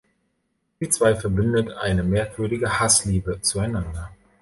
Die zwei verbindet eine merkwürdige Hassliebe zueinander.